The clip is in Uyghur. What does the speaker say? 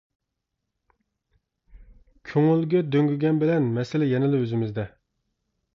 كۆڭۈلگە دۆڭگىگەن بىلەن مەسىلە يەنىلا ئۆزىمىزدە.